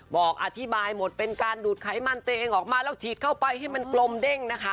บอกอธิบายหมดเป็นการดูดไขมันตัวเองออกมาแล้วฉีดเข้าไปให้มันกลมเด้งนะคะ